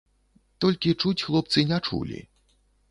Толькі чуць хлопцы не чулі.